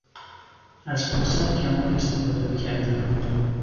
از فرصت کمال استفاده را کردن